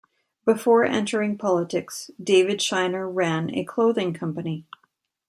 Before entering politics, David Shiner ran a clothing company.